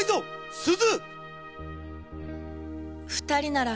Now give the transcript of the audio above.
すず！